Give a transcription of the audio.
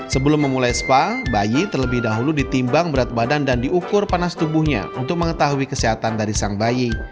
sebelum memulai spa bayi terlebih dahulu ditimbang berat badan dan diukur panas tubuhnya untuk mengetahui kesehatan dari sang bayi